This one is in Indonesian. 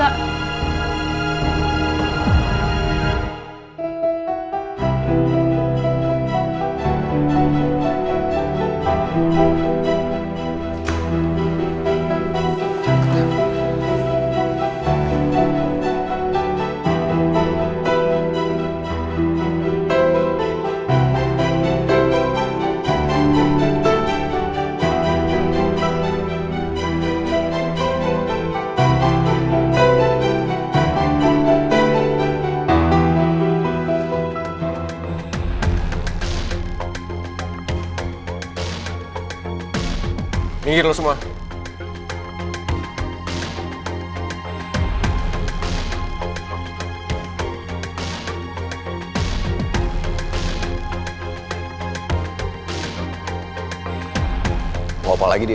accommodate tembakya kalau kau bakal diantre